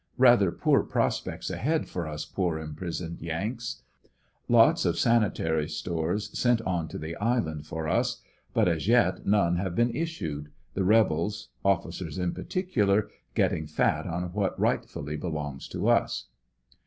Rather poor prospects ahead for us poor imprisoned yanks. Lots of San itary stores sent on to the island for us, but as yet none have been issued, the rebels (officers in particular), getting fat on what right fully beloutis to us.